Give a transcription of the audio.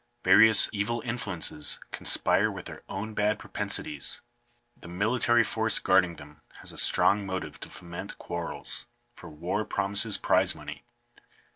Various evil influences conspire with their own bad propensi ties. The military force guarding them has a strong motive to foment quarrels ; for war promises prize money.